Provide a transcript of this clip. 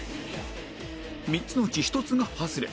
３つのうち１つがハズレ